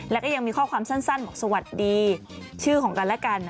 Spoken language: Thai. แล้วก็ยังมีข้อความสั้นบอกสวัสดีชื่อของกันและกัน